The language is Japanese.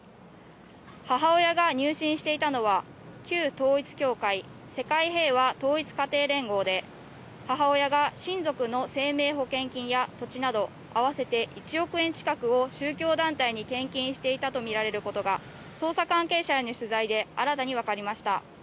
母親が入信していたのは旧統一教会世界平和統一家庭連合で母親が親族の生命保険金や土地など合わせて１億円近くを宗教団体に献金していたとみられることが捜査関係者への取材で新たにわかりました。